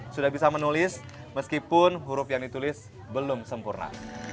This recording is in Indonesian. sudah bisa menulis meskipun huruf yang ditulis belum sempurna